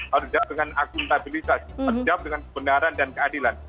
harus dijawab dengan akuntabilitas terjawab dengan kebenaran dan keadilan